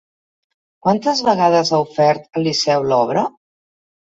Quantes vegades ha ofert el Liceu l'obra?